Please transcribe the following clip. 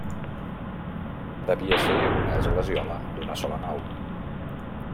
Devia ser una esglesiola d'una sola nau.